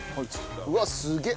うわっすげえ！